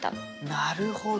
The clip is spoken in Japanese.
なるほど。